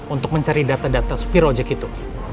untuk mencari data data supir ojek itu